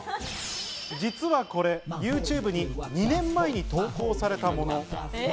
実はこれ、ＹｏｕＴｕｂｅに２年前に投稿されたもの。